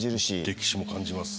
歴史も感じます。